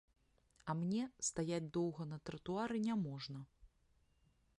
А мне стаяць доўга на тратуары няможна.